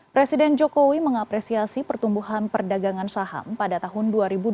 presiden jokowi mengapresiasi pertumbuhan perdagangan saham pada tahun dua ribu dua puluh